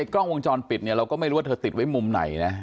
กล้องวงจรปิดเนี่ยเราก็ไม่รู้ว่าเธอติดไว้มุมไหนนะ